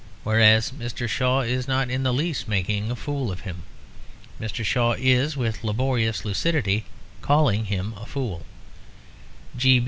Whereas Mr. Shaw is not in the least making a fool of him; Mr. Shaw is, with laborious lucidity, calling him a fool.